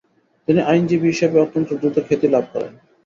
তিনি আইনজীবী হিসেবে অত্যন্ত দ্রুত খ্যাতি লাভ করেন।